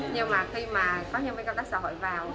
nhưng mà khi mà có nhân viên công tác xã hội vào